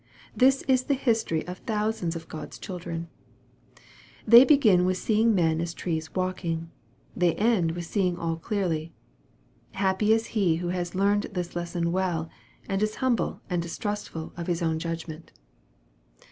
This is the history of thousands of God's children. They begin with seeing men as trees walking they end with seeing all clearly. Happy is he who has learned this lesson well, and is humble and distrustful of his own judgment.